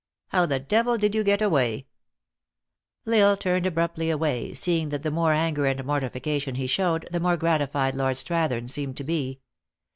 How the devil did you get away ?" L Isle turned abruptly away, seeing that the more anger and mortification he showed, the more gratified Lord Strathern seemed to be.